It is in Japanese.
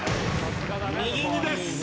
右２です。